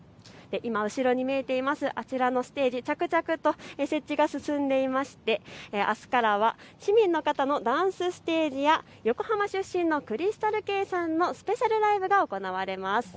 今、後ろに見えていますステージ、着々と設置が進んでいましてあすからは市民の方のダンスステージや横浜出身のクリスタル・ケイさんのスペシャルライブが行われます。